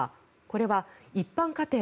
これは一般家庭